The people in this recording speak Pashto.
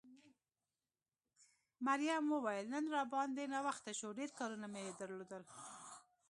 مريم وویل نن را باندې ناوخته شو، ډېر کارونه مې درلودل.